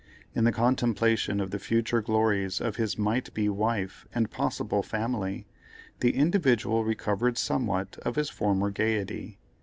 In the contemplation of the future glories of his might be wife and possible family, the "Individual" recovered somewhat of his former gaiety.